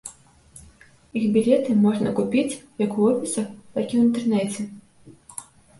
Іх білеты можна купіць як у офісах, так і ў інтэрнэце.